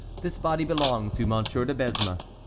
This body belonged to Monsieur de Besme.